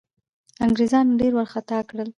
انګرېزان ډېر وارخطا کړل.